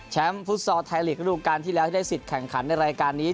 ฟุตซอลไทยลีกระดูกการที่แล้วที่ได้สิทธิ์แข่งขันในรายการนี้